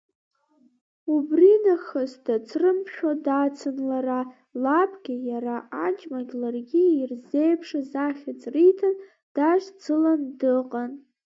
Убри нахыс дацрымшәо дацын лара, лабгьы, иара аџьмагь ларгьы, ирзеиԥшыз ахьӡ риҭан, дашьцылан дыҟан.